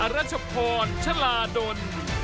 รัชพรชลาดล